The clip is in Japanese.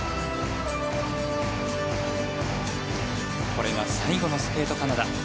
これが最後のスケートカナダ。